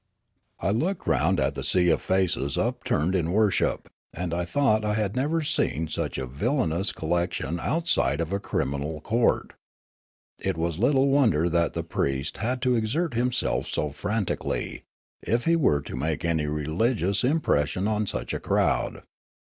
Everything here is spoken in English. I looked round at the sea of faces upturned in wor ship, and I thought I had never seen such a villainous collection outside of a criminal court. It was little wonder that the priest had to exert himself so frantic ally, if he were to make any religious impression on such a crowd.